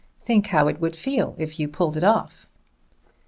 Think how it would feel if you pulled it off!"